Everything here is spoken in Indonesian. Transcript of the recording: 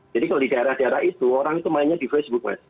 jadi kalau di daerah daerah itu orang itu mainnya di facebook